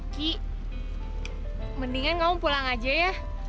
ki mendingan kamu pulang aja ya